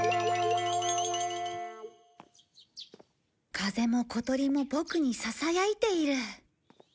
風も小鳥もボクにささやいている。